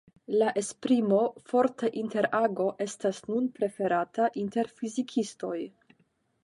La esprimo "forta interago" estas nun preferata inter fizikistoj.